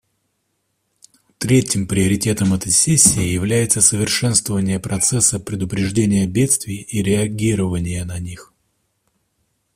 Третьим приоритетом этой сессии является совершенствование процесса предупреждения бедствий и реагирования на них.